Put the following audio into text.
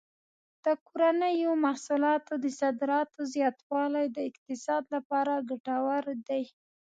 د کورنیو محصولاتو د صادراتو زیاتوالی د اقتصاد لپاره ګټور دی.